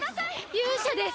勇者です！